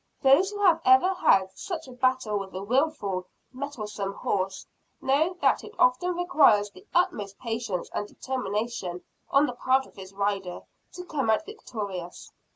Those who have ever had such a battle with a wilful, mettlesome horse, know that it often requires the utmost patience and determination on the part of his rider, to come out victorious.